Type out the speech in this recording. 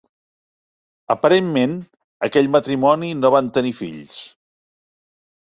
Aparentment, aquell matrimoni no van tenir fills.